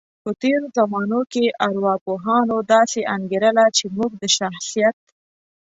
په تیرو زمانو کې ارواپوهانو داسې انګیرله، چی موږ د شخصیت